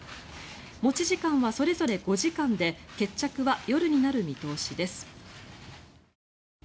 持ち時間はそれぞれ５時間で決着は夜になる見通しです。